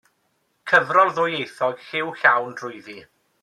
Cyfrol ddwyieithog, lliw llawn drwyddi.